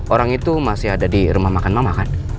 orang itu masih ada di rumah makan makan